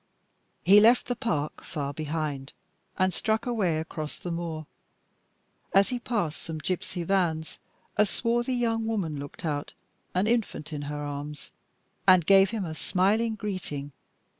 He left the park far behind, and struck away across the moor. As he passed some gipsy vans a swarthy young woman looked out, an infant in her arms, and gave him a smiling greeting.